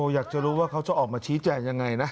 อยากจะรู้ว่าเขาจะออกมาชี้แจงยังไงนะ